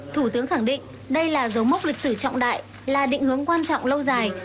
thủ tướng khẳng định đây là dấu mốc lịch sử trọng đại là định hướng quan trọng lâu dài